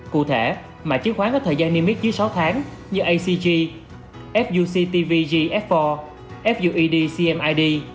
cụ thể mạng chứng khoán có thời gian niêm mít dưới sáu tháng như acg fuctvgf bốn fuedcmid